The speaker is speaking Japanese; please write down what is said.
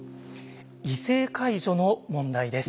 異性介助の問題です。